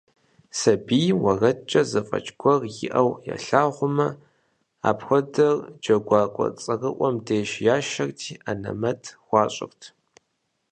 Сабийм уэрэдкӀэ зэфӀэкӀ гуэр иӀэу ялъагъумэ, апхуэдэр джэгуакӀуэ цӀэрыӀуэм деж яшэрти анэмэт хуащӀырт.